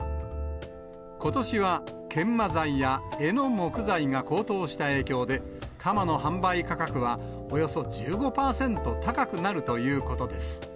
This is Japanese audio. ことしは、研磨材や柄の木材が高騰した影響で、鎌の販売価格は、およそ１５％高くなるということです。